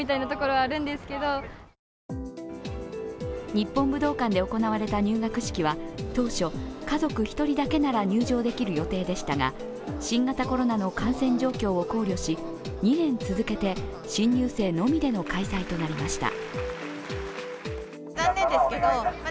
日本武道館で行われた入学式は当初、家族１人だけなら入場できる予定でしたが新型コロナの感染状況を考慮し、２年続けて新入生のみでの開催となりました。